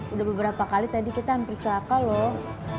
udah beberapa kali tadi kita hampir celaka loh